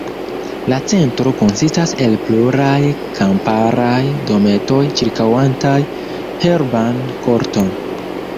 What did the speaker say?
La Centro konsistas el pluraj kamparaj dometoj ĉirkaŭantaj herban korton.